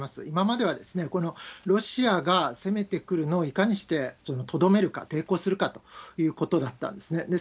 今までは、ロシアが攻めてくるのをいかにしてとどめるか、抵抗するかということだったんですね。